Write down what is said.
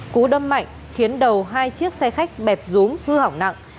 cú đâm mạnh khiến đầu hai chiếc xe khách bẹp rúm hư hỏng nặng